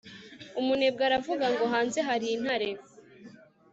umunebwe aravuga ngo hanze hari intare